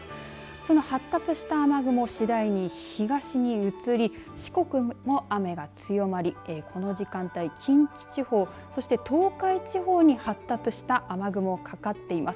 その発達した雨雲次第に東に移り四国も雨が強まりこの時間帯、近畿地方そして東海地方に発達した雨雲、かかっています。